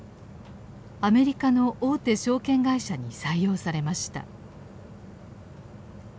アメリカの大手証券会社に採用されました。